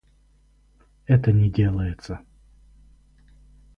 Это не делается.